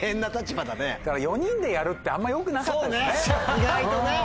意外とね。